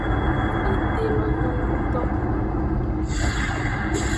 Ete lo nyo ngto.